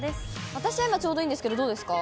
私は今、ちょうどいいんですけど、どうですか？